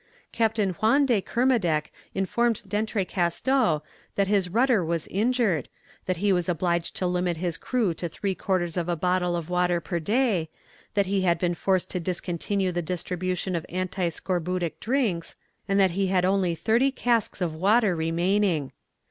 Captain Huon de Kermadec informed D'Entrecasteaux that his rudder was injured, that he was obliged to limit his crew to three quarters of a bottle of water per day, that he had been forced to discontinue the distribution of anti scorbutic drinks, and that he had only thirty casks of water remaining.